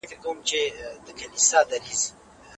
بله ژبه یې شاعري ژبه ده.